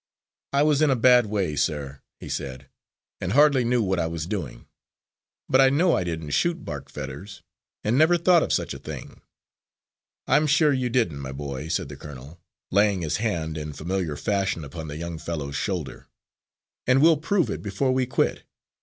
"I was in a bad way, sir," he said, "and hardly knew what I was doing. But I know I didn't shoot Bark Fetters, and never thought of such a thing." "I'm sure you didn't, my boy," said the colonel, laying his hand, in familiar fashion, upon the young fellow's shoulder, "and we'll prove it before we quit.